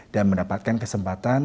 dan mendapatkan kesempatan